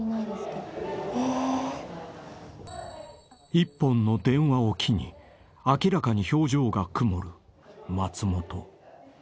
［１本の電話を機に明らかに表情が曇る松本］